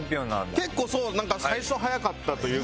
結構そうなんか最初早かったというか。